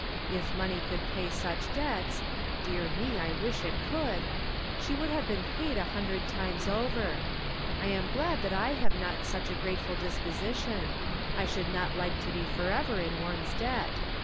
If money could pay such debts (dear me, I wish it could) she would have been paid a hundred times over. I am glad that I have not such a grateful disposition ; I should not like to be forever in one's debt.